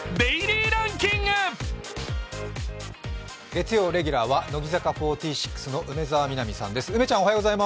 月曜レギュラーは乃木坂４６の梅澤美波さんです。